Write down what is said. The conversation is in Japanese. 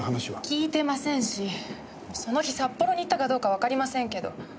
聞いてませんしその日札幌に行ったかどうかはわかりませんけど。